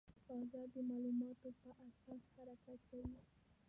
بازار د معلوماتو په اساس حرکت کوي.